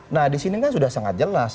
nah disini kan sudah sangat jelas